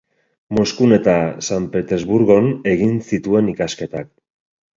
Moskun eta San Petersburgon egin zituen ikasketak.